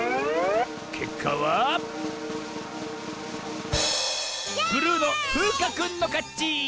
けっかはブルーのふうかくんのかち！